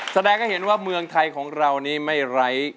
แสดงให้เห็นว่าเมืองไทยของเรานี้ไม่ไร้